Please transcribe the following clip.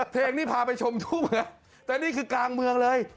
เพลงนี้พาไปชมทั่วเมืองแต่นี่คือกลางเมืองเลย